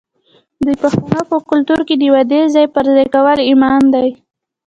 د پښتنو په کلتور کې د وعدې ځای پر ځای کول ایمان دی.